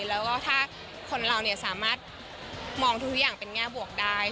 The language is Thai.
แล้วก็ถ้าคนเราสามารถมองทุกอย่างเป็นแง่บวกได้